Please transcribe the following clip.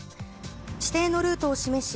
指定のルートを示し